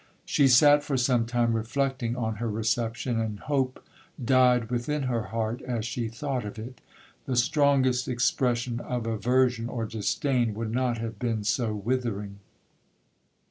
She sat for some time reflecting on her reception, and hope died within her heart as she thought of it. The strongest expression of aversion or disdain would not have been so withering.